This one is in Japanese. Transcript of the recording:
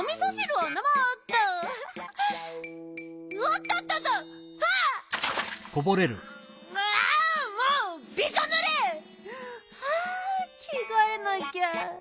はぁきがえなきゃ。